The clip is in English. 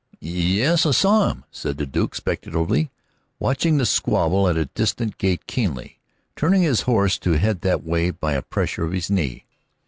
"Ye es, I saw him," said the Duke speculatively, watching the squabble at the distant gate keenly, turning his horse to head that way by a pressure of his knee.